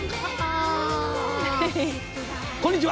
こんにちは！